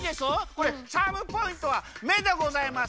これチャームポイントは「め」でございます。